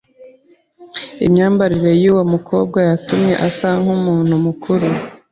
Imyambarire yuwo mukobwa yatumye asa nkumuntu mukuru.